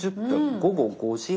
午後５時半